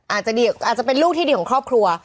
อาจจะเป็นลูกที่ดีของครอบครัว